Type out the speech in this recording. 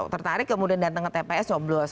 tertarik kemudian datang ke tps coblos